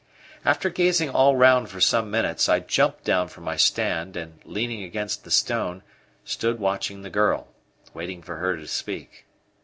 After gazing all round for some minutes, I jumped down from my stand and, leaning against the stone, stood watching the girl, waiting for her to speak.